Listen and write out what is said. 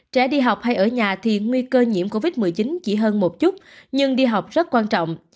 trẻ đi học hay ở nhà thì nguy cơ nhiễm covid một mươi chín chỉ hơn một chút nhưng đi học rất quan trọng